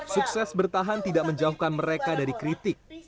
sukses bertahan tidak menjauhkan mereka dari kritik